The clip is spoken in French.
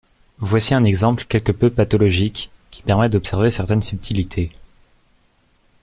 Voici un exemple quelque peu pathologique, qui permet d'observer certaines subtilités.